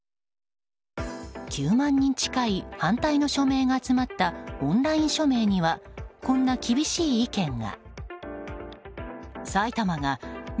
９万人近い反対の署名が集まったオンライン署名にはこんな厳しい意見が。